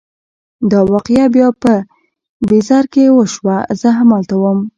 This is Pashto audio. دا واقعه بیا په بیزر کې وشوه، زه همالته وم.